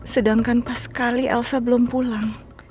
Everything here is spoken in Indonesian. sedangkan pas sekali elsa belum pulang